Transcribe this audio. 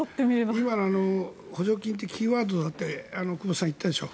今の補助金ってキーワードだって久保田さん言ったでしょう。